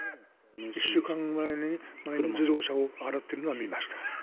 １週間ぐらい前に自動車を洗ってるのは見ました。